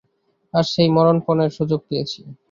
আজ সেই মরণপণের সুযোগ পেয়েছি।